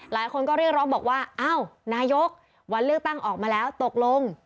หลายคนก็เรียกร้องบอกว่าอ้าวนายกวันเลือกตั้งออกมาแล้วตกลง